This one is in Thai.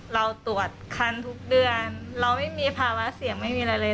เราตรวจคันทุกเดือนเราไม่มีภาวะเสี่ยงไม่มีอะไรเลย